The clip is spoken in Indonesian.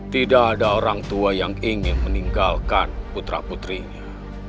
tidak ada orang tua yang ingin meninggalkan putra putrinya